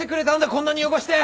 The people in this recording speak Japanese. こんなに汚して！